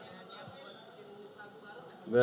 buat timu sagu bareng